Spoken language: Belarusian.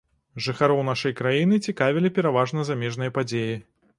Жыхароў нашай краіны цікавілі пераважна замежныя падзеі.